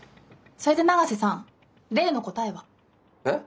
それで永瀬さん例の答えは？えっ？